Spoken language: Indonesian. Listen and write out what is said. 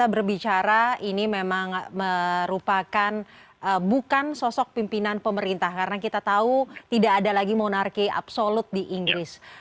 berbicara ini memang merupakan bukan sosok pimpinan pemerintah karena kita tahu tidak ada lagi monarki absolut di inggris